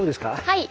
はい！